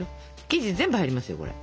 生地全部入りますよこれ。